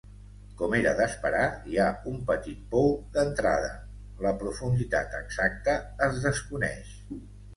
Com era d'esperar, hi ha un petit pou d'entrada, la profunditat exacta es desconeix.